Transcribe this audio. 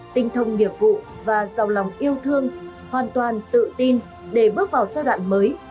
tinh thông nghiệp vụ và giàu lòng yêu thương hoàn toàn tự tin để bước vào giai đoạn mới